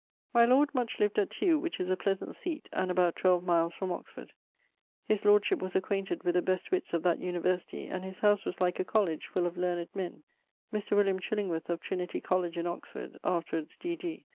My lord much lived at Tue, which is a pleasant seat, and about 12 miles from Oxford; his lordship was acquainted with the best witts of that University, and his house was like a Colledge, full of learned men. Mr. William Chillingworth, of Trinity College in Oxford (afterwards D.D.)